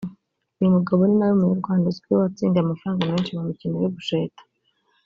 uyu mugabo ninawe munyarwanda uzwi watsindiye amafaranga menshi mu mikino yo gusheta